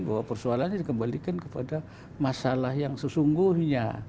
bahwa persoalannya dikembalikan kepada masalah yang sesungguhnya